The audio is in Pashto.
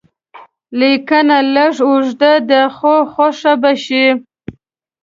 لیکنه لږ اوږده ده خو خوښه به شي.